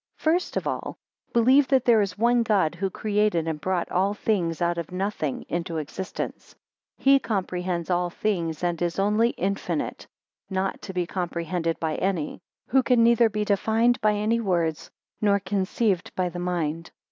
FIRST of all believe that there is one God who created and brought all things out of nothing into existence. 2 He comprehends all things, and is only INFINITE, not to be comprehended by any. 3 Who can neither be defined by any words, nor conceived by the mind.